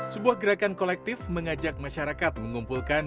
sebuah gerakan kolektif mengajak masyarakat mengumpulkan